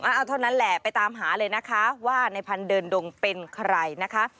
เอาเท่านั้นแหละไปตามหาเลยนะคะว่าในพันธุ์เดินดงเป็นใครนะคะ